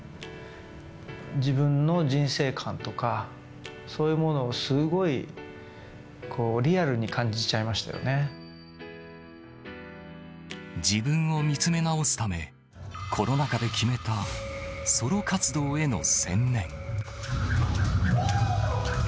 自分の人生観とか、そういうものをすごいこう、自分を見つめ直すため、コロナ禍で決めたソロ活動への専念。